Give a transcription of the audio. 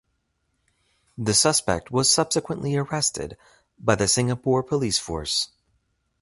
The suspect was subsequently arrested by the Singapore Police Force.